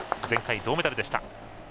前回銅メダルでした。